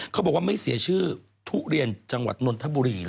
เขาบอกว่าไม่เสียชื่อทุเรียนจังหวัดนนทบุรี